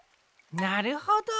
なるほど。